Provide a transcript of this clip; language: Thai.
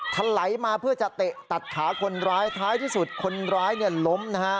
ถลายมาเพื่อจะเตะตัดขาคนร้ายท้ายที่สุดคนร้ายเนี่ยล้มนะฮะ